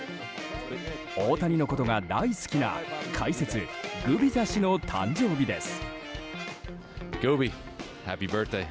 大谷のことが大好きな解説グビザ氏の誕生日です。